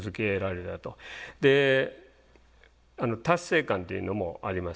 で達成感っていうのもあります。